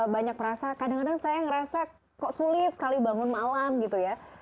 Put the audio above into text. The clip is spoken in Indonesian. banyak merasa kadang kadang saya ngerasa kok sulit sekali bangun malam gitu ya